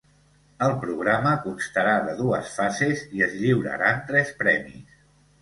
El programa constarà de dues fases i es lliuraran tres premis.